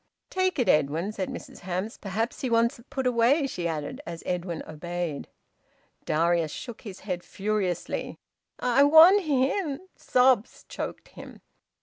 "Take it, Edwin," said Mrs Hamps. "Perhaps he wants it put away," she added, as Edwin obeyed. Darius shook his head furiously. "I want him " Sobs choked him.